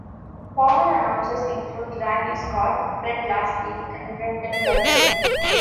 Former announcers include Randy Scott, Bret Lasky and Brendan Gulick.